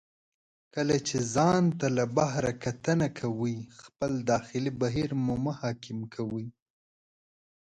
کله چې ځان ته له بهر کتنه کوئ، خپل داخلي بهیر مه حاکم کوئ.